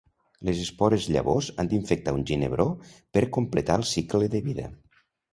Les espores llavors han d'infectar un ginebró per completar el cicle de vida.